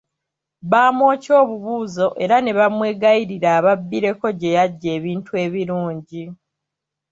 Bamwokya obubuuzo era ne bamwegayirira ababbireko gye yajja ebintu ebirungi.